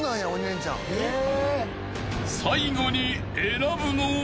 ［最後に選ぶのは？］